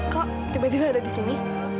kok tiba tiba ada di sini